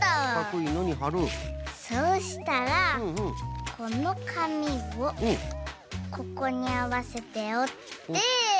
そうしたらこのかみをここにあわせておって。